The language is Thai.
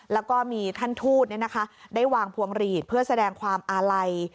แล้วก็มีท่านทูตได้วางพวงหลีดเพื่อแสดงความอาลัย